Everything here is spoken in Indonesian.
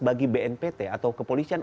bagi bnpt atau kepolisian